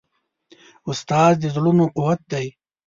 استاد د زړونو قوت دی.